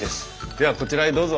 ではこちらへどうぞ。